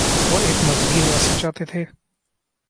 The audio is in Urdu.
وہ ایک مذہبی ریاست چاہتے تھے؟